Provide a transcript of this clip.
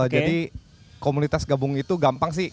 jadi komunitas gabung itu gampang sih